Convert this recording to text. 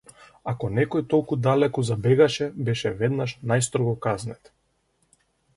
Ако некој толку далеку забегаше беше веднаш најстрого казнет.